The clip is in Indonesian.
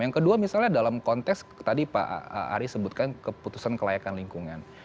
yang kedua misalnya dalam konteks tadi pak ari sebutkan keputusan kelayakan lingkungan